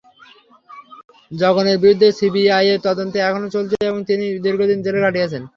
জগনের বিরুদ্ধে সিবিআইয়ের তদন্ত এখনো চলছে এবং তিনি দীর্ঘদিন জেলে কাটিয়েছেন।